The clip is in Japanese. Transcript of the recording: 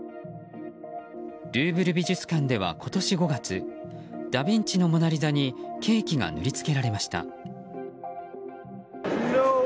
ルーブル美術館では、今年５月ダビンチの「モナ・リザ」にケーキが塗り付けられました。